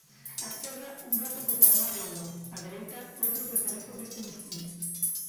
Á esquerda, un brazo co palmar longo; á dereita, outro que carece deste músculo.